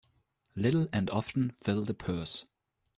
Little and often fill the purse.